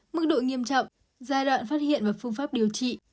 mức độ nghiêm trọng giai đoạn phát hiện và phương pháp điều trị